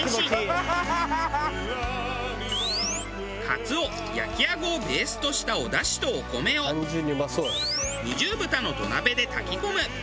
カツオ焼きアゴをベースとしたお出汁とお米を２重蓋の土鍋で炊き込む。